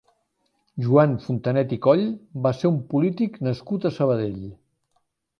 Joan Fontanet i Coll va ser un polític nascut a Sabadell.